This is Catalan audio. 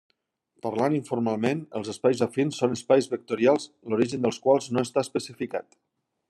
Parlant informalment, els espais afins són espais vectorials l'origen dels quals no està especificat.